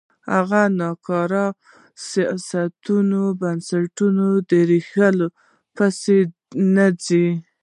هغوی د ناکاره سیاستونو او بنسټونو ریښو پسې نه ځي.